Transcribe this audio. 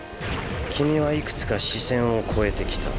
君はいくつか死線を越えてきた。